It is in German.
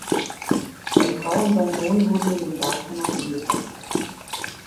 Seine Frau und sein Sohn wurden in den Gaskammern umgebracht.